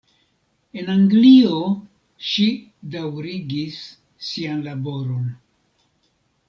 En Anglio ŝi daŭrigis sian laboron.